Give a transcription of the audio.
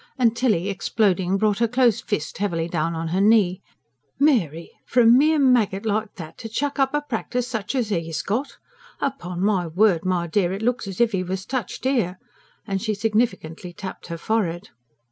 and Tilly, exploding, brought her closed fist heavily down on her knee. "Mary! ... for a mere maggot like that, to chuck up a practice such as 'e's got. Upon my word, my dear, it looks as if 'e was touched 'ere," and she significantly tapped her forehead.